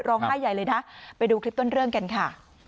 ร้องไห้ใหญ่เลยนะไปดูคลิปต้นเรื่องกันค่ะ